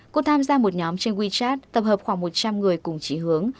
cô tham gia một nhóm trên wechat tập hợp khoảng một trăm linh người cùng trí hướng